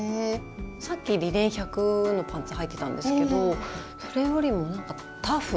さっきリネン１００のパンツはいてたんですけどそれよりもなんかタフ？